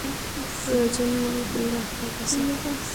প্রয়োজন মনে করলে আপনার কাছে পরামর্শ চাইব।